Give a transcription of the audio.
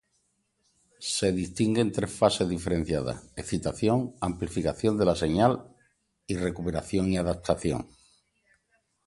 Se distinguen tres fases diferenciadas: excitación, amplificación de la señal y recuperación y adaptación.